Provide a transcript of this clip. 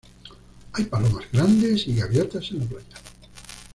Hay palomas grandes y gaviotas en la playa.